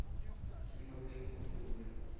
কী হবে সব কথা বলে?